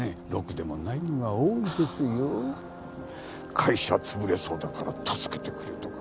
会社潰れそうだから助けてくれとか。